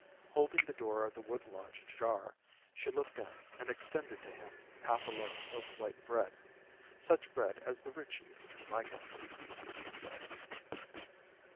Holding the door of the wood lodge ajar, she looked in and extended to him half a loaf of white bread 'such bread as the rich eat in my country,' he used to say.